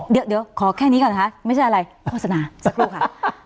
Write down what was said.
เดี๋ยวขอแค่นี้ก่อนนะคะไม่ใช่อะไรโฆษณาสักครู่ค่ะ